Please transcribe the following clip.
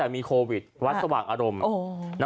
มีโควิดวัดสว่างอารมณ์